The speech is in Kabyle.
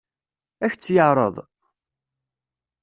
Ad k-tt-yeɛṛeḍ?